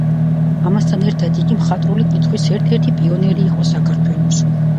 ამასთან ერთად იგი მხატვრული კითხვის ერთ-ერთი პიონერი იყო საქართველოში.